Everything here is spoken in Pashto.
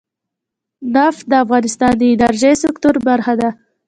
نفت د افغانستان د انرژۍ سکتور برخه ده.